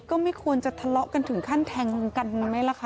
ก็ไม่ควรจะทะเลาะกันถึงขั้นแทงกันไหมล่ะคะ